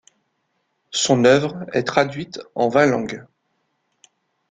Son œuvre est traduite en vingt langues.